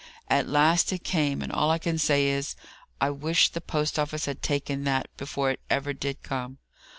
At last it came; and all I can say is, I wish the post office had taken that, before it ever did come.